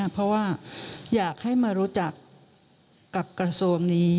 เพราะว่าอยากให้มารู้จักกับกระทรวงนี้